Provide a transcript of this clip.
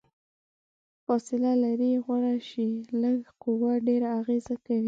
فاصله لرې غوره شي، لږه قوه ډیره اغیزه کوي.